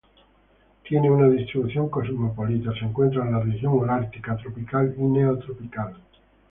Tiene una distribución cosmopolita, se encuentra en las regiones Holártica, tropical y Neotropical.